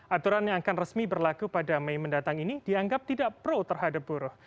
aturan yang akan resmi berlaku pada mei mendatang ini dianggap tidak pro terhadap buruh